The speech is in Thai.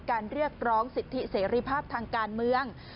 เรียกร้องสิทธิเสรีภาพทางการเมือง